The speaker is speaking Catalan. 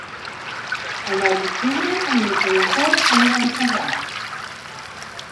El nou d'octubre en Nico i en Quer aniran a Celrà.